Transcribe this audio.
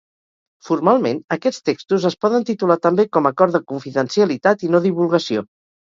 Formalment, aquests textos es poden titular també com Acord de confidencialitat i no divulgació.